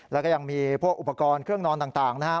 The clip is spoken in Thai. แล้วก็ยังมีพวกอุปกรณ์เครื่องนอนต่างนะครับ